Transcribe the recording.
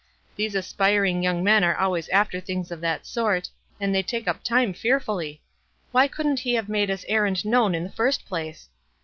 These aspiring young men are always after things of that sort, and they take up time fearfully. Why couldn't he have made his errand known in the first place?"